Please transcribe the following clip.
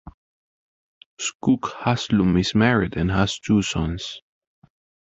Skoog Haslum is married and has two sons.